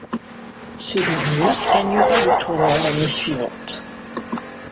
Ce dernier gagnera le tournoi l'année suivante.